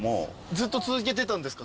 ずっと続けてたんですか？